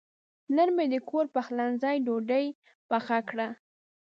نن مې د کور پخلنځي ډوډۍ پخه کړه.